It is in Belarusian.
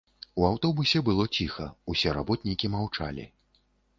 У аўтобусе было ціха, усе работнікі маўчалі.